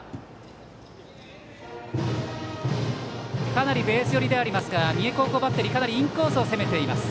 かなりベース寄りですが三重高校バッテリーかなりインコース攻めています。